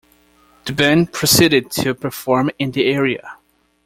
The band proceeded to perform in the area.